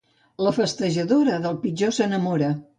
La festejadora, del pitjor s'enamora.